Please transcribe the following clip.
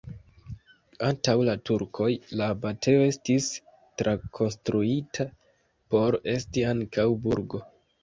Antaŭ la turkoj la abatejo estis trakonstruita por esti ankaŭ burgo.